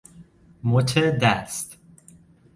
مچ دست